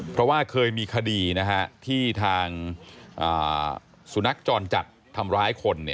เพราะว่าเคยมีคดีที่ทางสุนัขจรจัดทำร้ายคน